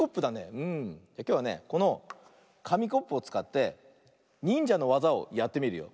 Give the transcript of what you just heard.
きょうはねこのかみコップをつかってにんじゃのわざをやってみるよ。